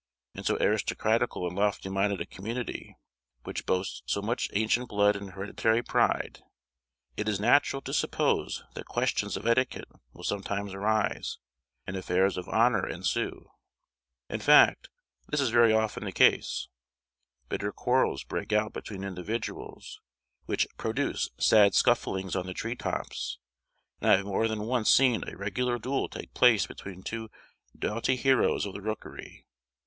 In so aristocratical and lofty minded a community, which boasts so much ancient blood and hereditary pride, it is natural to suppose that questions of etiquette will sometimes arise, and affairs of honour ensue. In fact, this is very often the case: bitter quarrels break out between individuals, which produce sad scufflings on the tree tops, and I have more than once seen a regular duel take place between two doughty heroes of the rookery.